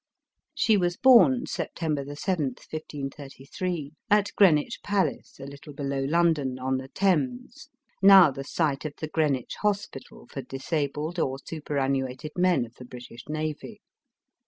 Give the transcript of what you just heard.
She was born, September 7th, 1533, at Greenwich palace, a little below London, on the Thames — now the site of the Greenwich Hospital for disabled or super annuated men of the British navy.